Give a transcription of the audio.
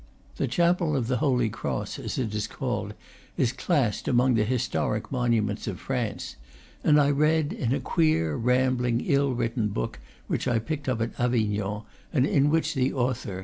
The chapel of the Holy Cross, as it is called, is classed among the historic monuments of France; and I read in a queer, rambling, ill written book which I picked up at Avignon, and in which the author, M.